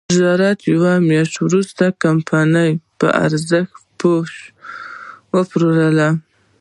زیات یوه میاشت وروسته د کمپنۍ په ارزښت وپېرله.